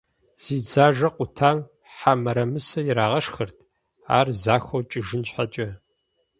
Зи дзажэ къутам хьэ мырамысэ ирагъэшхырт, ар захуэу кӏыжын щхьэкӏэ.